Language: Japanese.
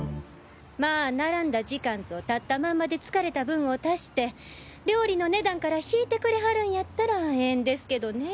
まぁ並んだ時間と立ったまんまで疲れた分を足して料理の値段から引いてくれはるんやったらええんですけどねぇ。